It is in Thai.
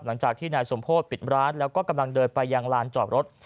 หลังจากที่นายสมโพธิปิดร้านแล้วก็กำลังเดินไปยังลานจอดรถ